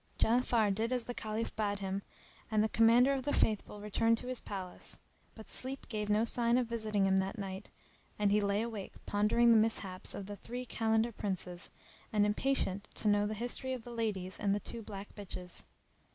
Ja'afar did as the Caliph bade him and the Commander of the Faithful returned to his palace; but sleep gave no sign of visiting him that night and he lay awake pondering the mishaps of the three Kalandar princes and impatient to know the history of the ladies and the two black bitches.